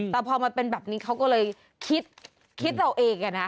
แต่พอมันเป็นแบบนี้เขาก็เลยคิดเราเอง